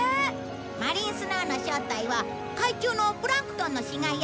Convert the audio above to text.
マリンスノーの正体は海中のプランクトンの死骸やフンなんだ。